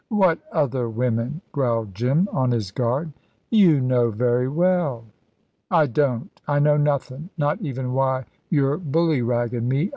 "What other women?" growled Jim, on his guard. "You know very well." "I don't. I know nothin', not even why you're bullyraggin' me.